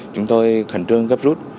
chúng tôi khẩn trương gấp rút